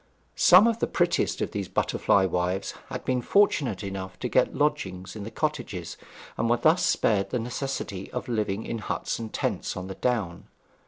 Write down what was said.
Some of the prettiest of these butterfly wives had been fortunate enough to get lodgings in the cottages, and were thus spared the necessity of living in huts and tents on the down.